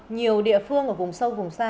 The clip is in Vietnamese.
nhiều địa phương ở vùng sâu vùng xa